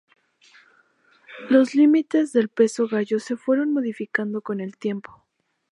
Los límites del peso gallo se fueron modificando con el tiempo.